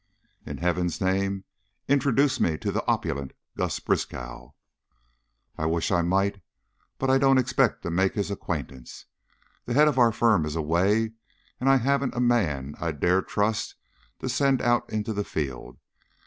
"In Heaven's name, introduce me to the opulent Gus Briskow." "I wish I might. But I don't expect to make his acquaintance. The head of our firm is away and I haven't a man I'd dare trust to send out into the field.